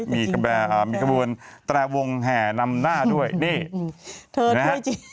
มีกระแบอ่ามีกระบวนแต่วงแห่นำหน้าด้วยนี่นี่ฮะ